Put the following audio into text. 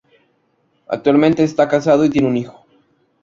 Actualmente está casado y tiene un hijo.